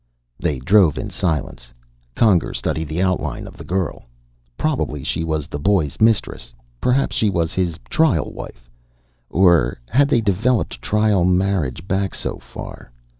They drove in silence. Conger studied the outline of the girl. Probably she was the boy's mistress. Perhaps she was his trial wife. Or had they developed trial marriage back so far?